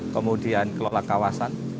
kemudian kelola kawasan